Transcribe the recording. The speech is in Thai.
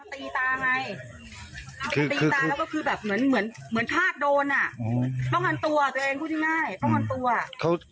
ตีตาไงตีตาแล้วก็คือแบบเหมือนเหมือนเหมือนชาติโดนอ่ะป้องกันตัวตัวเองพูดง่ายป้องกันตัว